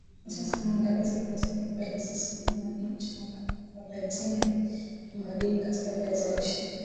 potasi manganizi protini kalisi sodiamu madini chuma na foleti ni madini katika viazi lishe